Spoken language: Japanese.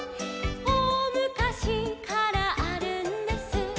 「おおむかしからあるんです」